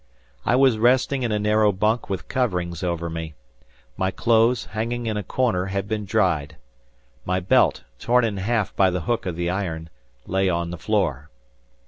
I was resting in a narrow bunk with coverings over me. My clothes, hanging in a corner, had been dried. My belt, torn in half by the hook of the iron, lay on the floor.